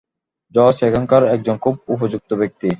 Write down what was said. জজ এখানকার একজন খুব উপযুক্ত ব্যক্তি।